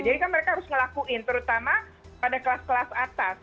jadi kan mereka harus ngelakuin terutama pada kelas kelas atas